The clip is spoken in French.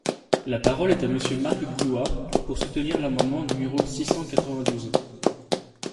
La parole est à Monsieur Marc Goua, pour soutenir l’amendement numéro six cent quatre-vingt-douze.